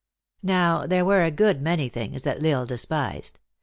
Now, there were a good many things that L Isle despised.